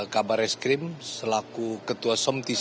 kabar eskrim selaku ketua somtis